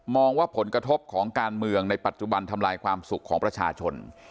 ว่าผลกระทบของการเมืองในปัจจุบันทำลายความสุขของประชาชน